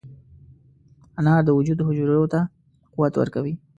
انار د وجود حجرو ته قوت ورکوي.